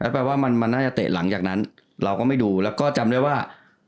แปลว่ามันน่าจะเตะหลังจากนั้นเราก็ไม่ดูแล้วก็จำได้ว่า